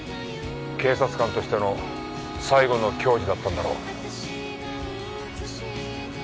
警察官としての最後の矜持だったんだろう。